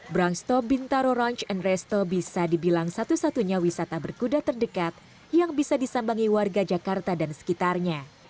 brunsto bintaro runch and resto bisa dibilang satu satunya wisata berkuda terdekat yang bisa disambangi warga jakarta dan sekitarnya